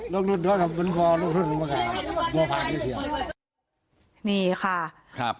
ลงทุนเที่ยวทำเป็นความลงทุนออกมาก่อนนี่ค่ะครับ